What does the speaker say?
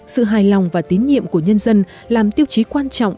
sự hài lòng và tín nhiệm của nhân dân làm tiêu chí quan trọng